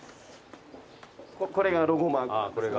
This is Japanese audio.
これがロゴマーク。